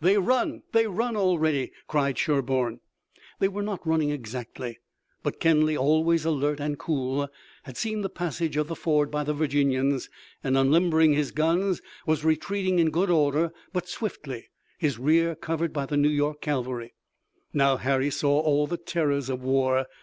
"They run! They run already!" cried Sherburne. They were not running, exactly, but Kenly, always alert and cool, had seen the passage of the ford by the Virginians, and unlimbering his guns, was retreating in good order, but swiftly, his rear covered by the New York cavalry. Now Harry saw all the terrors of war.